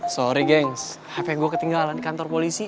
sorry gengs happ gue ketinggalan di kantor polisi